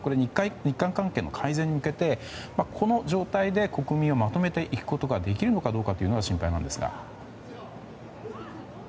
日韓関係の改善に向けてこの状態で国民をまとめていくことができるのかどうかが心配なんですが。